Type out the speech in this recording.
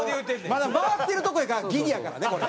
まだ回ってるところやからギリやからねこれ。